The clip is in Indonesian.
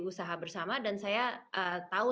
usaha bersama dan saya tahu